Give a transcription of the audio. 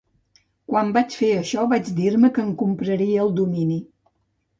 Quan vaig fer això vaig dir-me que em compraria el domini.